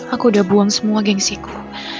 aku udah buang semua gengsiku